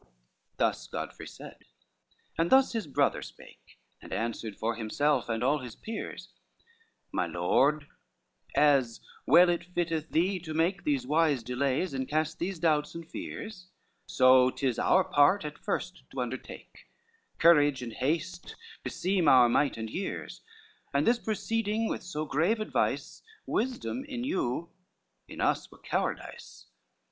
VI Thus Godfrey said, and thus his brother spake, And answered for himself and all his peers: "My lord, as well it fitteth thee to make These wise delays and cast these doubts and fears, So 'tis our part at first to undertake; Courage and haste beseems our might and years; And this proceeding with so grave advice, Wisdom, in you, in us were cowardice.